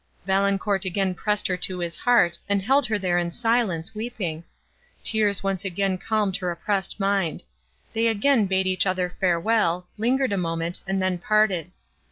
Valancourt again pressed her to his heart, and held her there in silence, weeping. Tears once again calmed her oppressed mind. They again bade each other farewell, lingered a moment, and then parted.